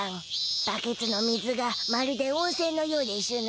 バケツの水がまるで温せんのようでしゅな。